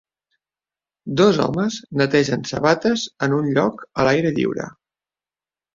Dos homes netegen sabates en un lloc a l'aire lliure